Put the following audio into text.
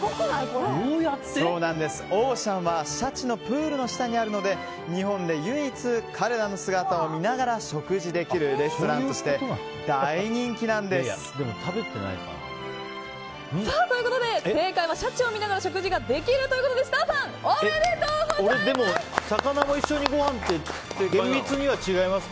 「オーシャン」はシャチのプールの下にあるので日本で唯一、彼らの姿を見ながら食事できるレストランとして大人気なんです。ということで正解は、シャチを見ながら食事ができるということで設楽さん、おめでとうございます。